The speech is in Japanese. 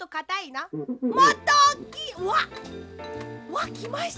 わっきました！